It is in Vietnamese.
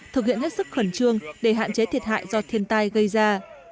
thực hiện hết sức khẩn trương để hạn chế thiệt hại do thiên tai gây ra